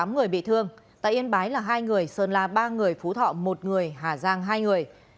tám người bị thương tại yên bái là hai người sơn la ba người phú thọ một người hà giang hai người